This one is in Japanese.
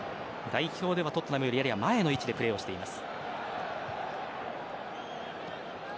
代表ではトッテナムよりやや前の位置でプレーしています。